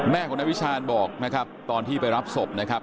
แม่ของนายวิชาณบอกนะครับตอนที่ไปรับศพนะครับ